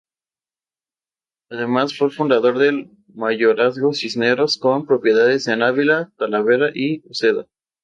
Además, fue el fundador del mayorazgo Cisneros con propiedades en Ávila, Talavera y Uceda.